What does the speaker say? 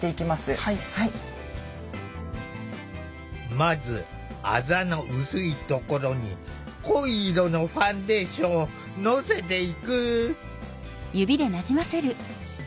まずあざの薄いところに濃い色のファンデーションをのせていく。